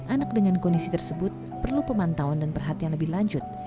anak dengan kondisi tersebut perlu pemantauan dan perhatian lebih lanjut